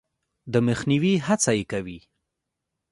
د مخنیوي هڅه یې کوي.